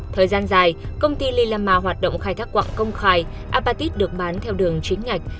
thời gian dài công ty lilama hoạt động khai thác quạng công khai apatit được bán theo đường chính ngạch